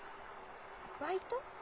バイト？